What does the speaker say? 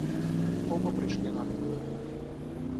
Оба пришли на рынок.